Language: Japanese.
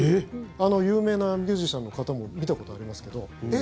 有名なミュージシャンの方も見たことありますけどえ？